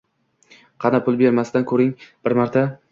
qani, pul bermasdan ko’ring bir marta